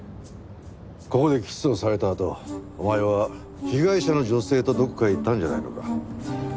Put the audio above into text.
ここでキスをされたあとお前は被害者の女性とどこかへ行ったんじゃないのか？